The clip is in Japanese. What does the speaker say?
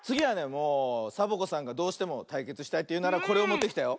もうサボ子さんがどうしてもたいけつしたいというならこれをもってきたよ。